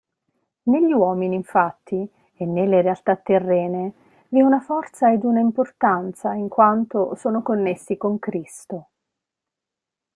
Negli uomini infatti e nelle realtà terrene vi è una forza ed una importanza in quanto sono connessi con Cristo.